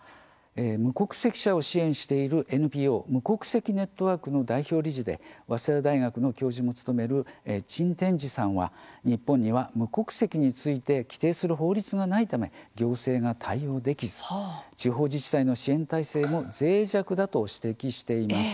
無国籍者を支援しているＮＰＯ無国籍ネットワークの代表理事で早稲田大学の教授も務める陳天璽さんは日本には無国籍について規定する法律がないため行政が対応できず地方自治体の支援体制もぜい弱だとして指摘しています。